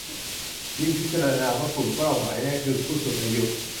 ยิ่งพิจารณว่ากลุ่มเป้าหมายแรก คือผู้สูงอายุ